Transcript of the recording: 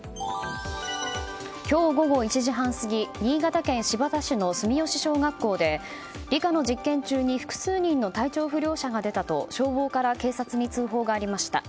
今日午後１時半過ぎ新潟県新発田市の住吉小学校で、理科の実験中に複数人の体調不良者が出たと消防から警察に通報がありました。